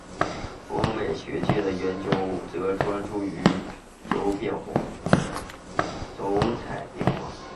欧美学界的研究则专注于釉彩变化。